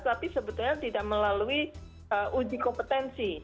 tapi sebetulnya tidak melalui uji kompetensi